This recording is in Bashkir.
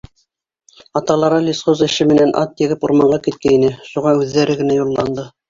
Аталары лесхоз эше менән ат егеп урманға киткәйне, шуға үҙҙәре генә юлланды.